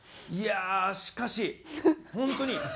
いやあしかし本当に。